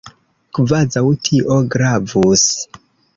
Kvazaŭ tio gravus!